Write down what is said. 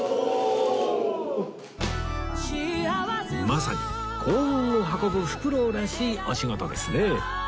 まさに幸運を運ぶふくろうらしいお仕事ですね